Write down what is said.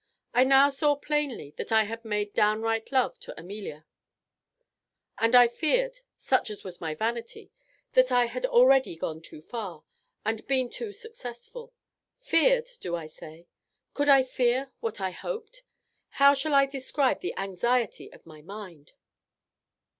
I now saw plainly that I had made downright love to Amelia; and I feared, such was my vanity, that I had already gone too far, and been too successful. Feared! do I say? could I fear what I hoped? how shall I describe the anxiety of my mind?"